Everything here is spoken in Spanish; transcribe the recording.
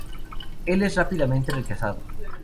Él es rápidamente rechazado.